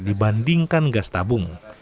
dibandingkan gas tabung